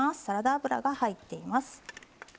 サラダ油が入っています。